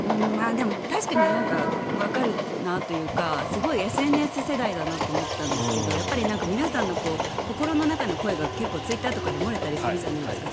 でも確かにわかるなというかすごいＳＮＳ世代だなと思ったんですけどやっぱり、皆さんの心の中の声が結構、ツイッターとかで漏れたりするじゃないですか。